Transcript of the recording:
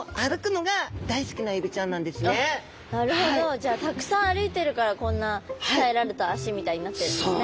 じゃあたくさん歩いてるからこんな鍛えられた脚みたいになってるんですね！